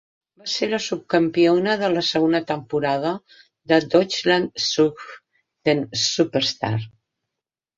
Va ser la subcampiona de la segona temporada de "Deutschland sucht den Superstar".